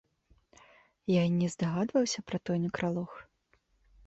Я і не здагадваўся пра той некралог.